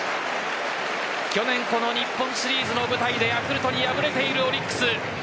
去年、この日本シリーズの舞台でヤクルトに敗れているオリックス。